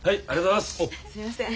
すいません。